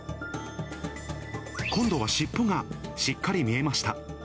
今度は尻尾がしっかり見えました。